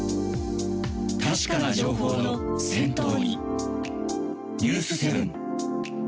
確かな情報の先頭に。